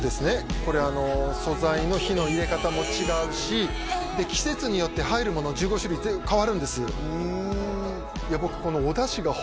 これ素材の火の入れ方も違うし季節によって入るもの１５種類変わるんですいや